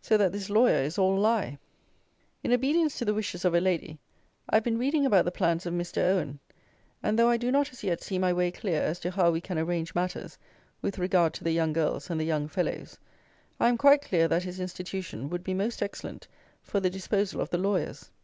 So that this lawyer is "All Lie." In obedience to the wishes of a lady, I have been reading about the plans of Mr. Owen; and though I do not as yet see my way clear as to how we can arrange matters with regard to the young girls and the young fellows, I am quite clear that his institution would be most excellent for the disposal of the lawyers.